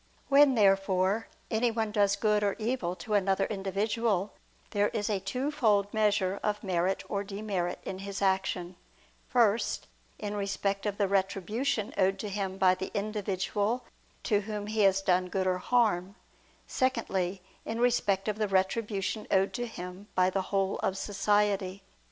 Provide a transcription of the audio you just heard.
When, therefore, anyone does good or evil to another individual, there is a twofold measure of merit or demerit in his action: first, in respect of the retribution owed to him by the individual to whom he has done good or harm; secondly, in respect of the retribution owed to him by the whole of society.